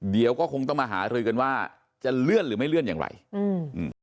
เดี๋ยวก็คงต้องมาหารือกันว่าจะเลื่อนหรือไม่เลื่อนอย่างไรอืม